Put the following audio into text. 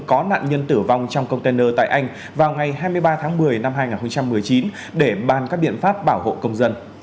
có nạn nhân tử vong trong container tại anh vào ngày hai mươi ba tháng một mươi năm hai nghìn một mươi chín để bàn các biện pháp bảo hộ công dân